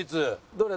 どれ？